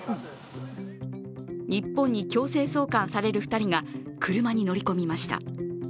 日本に強制送還される２人が車に乗り込みました。